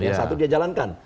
yang satu dia jalankan